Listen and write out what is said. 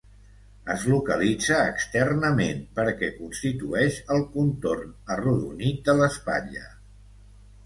Es localitza externament perquè constitueix el contorn arrodonit de l'espatlla.